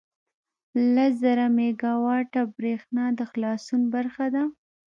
لس زره میګاوټه بریښنا د خلاصون برخه ده.